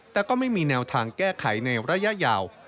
แต่ก็ไม่มีแนวทางแก้ไขในระยะยาว